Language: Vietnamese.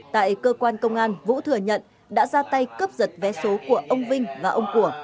tại cơ quan công an vũ thừa nhận đã ra tay cướp giật vé số của ông vinh và ông của